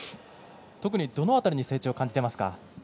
特にどの辺りに成長を感じていますか？